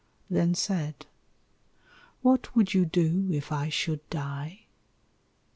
Then said, "What would you do if I should die?"